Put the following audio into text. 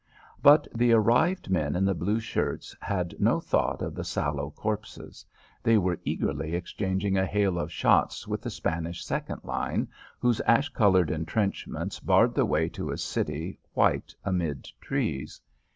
But the arrived men in the blue shirts had no thought of the sallow corpses. They were eagerly exchanging a hail of shots with the Spanish second line, whose ash coloured entrenchments barred the way to a city white amid trees.